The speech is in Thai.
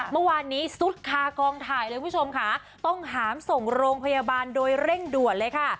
เมื่อวานนี้ซุดคากองถ่ายเลยคุณผู้ชมค่ะต้องหามส่งโรงพยาบาลโดยเร่งด่วนเลยค่ะ